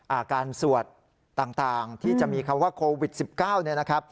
อาการสวดต่างที่จะมีคำว่าโควิด๑๙เนี่ยนะครับ